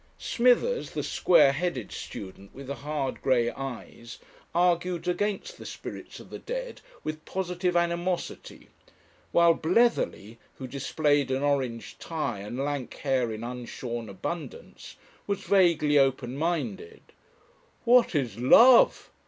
Smithers, the square headed student with the hard grey eyes, argued against the spirits of the dead with positive animosity, while Bletherley, who displayed an orange tie and lank hair in unshorn abundance, was vaguely open minded, "What is love?"